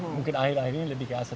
mungkin akhir akhir ini lebih ke asuh